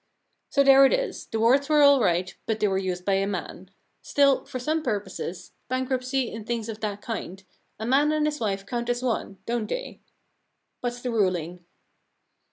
* So there it is — the words were all right, but they were used by a man. Still, for some purposes — bankruptcy and things of that kind — a man and his wife count as one, don't they ? What's the ruling